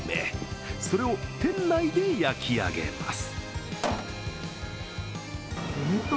それを店内で焼き上げます。